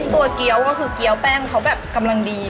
เกี้ยวก็คือเกี้ยวแป้งเขาแบบกำลังดี